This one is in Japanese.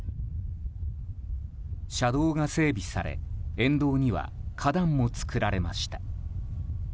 車道が整備され沿道には花壇も作られました。